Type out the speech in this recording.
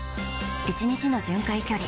１日の巡回距離